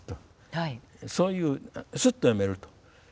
そういうすっと読めると。